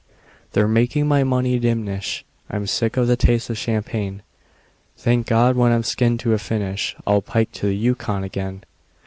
They're making my money diminish; I'm sick of the taste of champagne. Thank God! when I'm skinned to a finish I'll pike to the Yukon again.